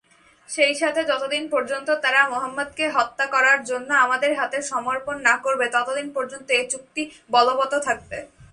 সেই সাথে যতদিন পর্যন্ত তারা মুহাম্মদকে হত্যা করার জন্য আমাদের হাতে সমর্পণ না করবে ততদিন পর্যন্ত এ চুক্তি বলবৎ থাকবে।